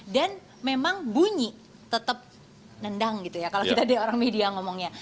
dan memang bunyi tetap nendang kalau kita orang media ngomongnya